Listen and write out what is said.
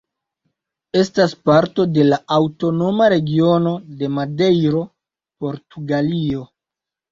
Estas parto de la Aŭtonoma Regiono de Madejro, Portugalio.